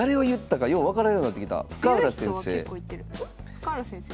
深浦先生？